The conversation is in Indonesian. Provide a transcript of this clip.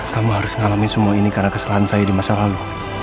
kamu harus ngalami semua ini karena kesalahan saya di masa lalu